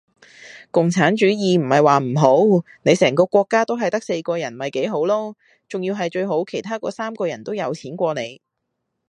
共產主義唔系話唔好，你成個國家都系得四個人咪幾好羅!仲要系最好其它嗰三個人都有錢過你!